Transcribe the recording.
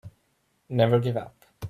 Never give up.